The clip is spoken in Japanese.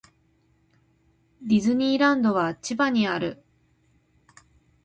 ディズニーランドは千葉にある